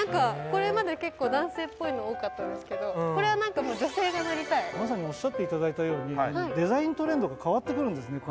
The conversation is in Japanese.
これまで結構男性っぽいの多かったんですけどこれはなんかもう女性が乗りたいまさにおっしゃっていただいたようにデザイントレンドが変わってくるんですね